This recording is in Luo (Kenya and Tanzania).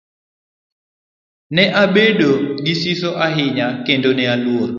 Ne abedo gi siso ahinya kendo ne aluor.